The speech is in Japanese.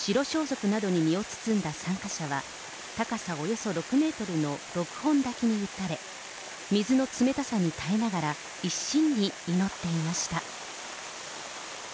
白装束などに身を包んだ参加者は高さおよそ６メートルの六本滝に打たれ、水の冷たさに耐えながら、一心に祈っていました。